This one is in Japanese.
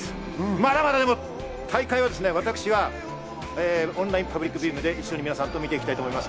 まだまだ大会は私がオンラインパブリックビューイングで皆さんと一緒に見ていきたいと思います。